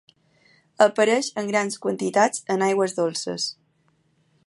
Apareix en grans quantitats en aigües dolces.